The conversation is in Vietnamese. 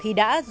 khi sâu trời